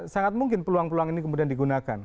sangat mungkin peluang peluang ini kemudian digunakan